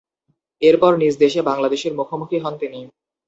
এরপর নিজ দেশে বাংলাদেশের মুখোমুখি হন তিনি।